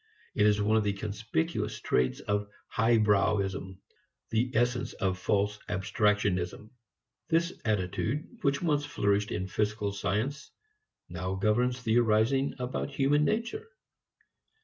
It is one of the conspicuous traits of highbrowism, the essence of false abstractionism. This attitude which once flourished in physical science now governs theorizing about human nature.